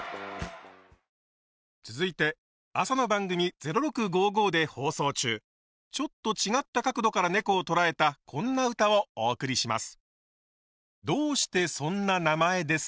続いて朝の番組「０６５５」で放送中ちょっと違った角度からねこを捉えたこんな歌をお送りします。